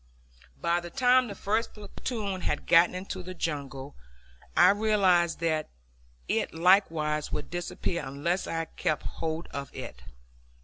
By the time the first platoon had gotten into the jungle I realized that it likewise would disappear unless I kept hold of it.